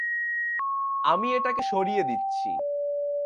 আমি এটাকে সরিয়ে দিচ্ছি।